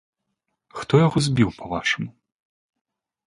Хто яго збіў, па-вашаму?